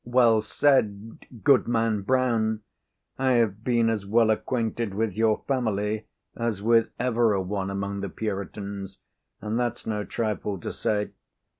"Well said, Goodman Brown! I have been as well acquainted with your family as with ever a one among the Puritans; and that's no trifle to say.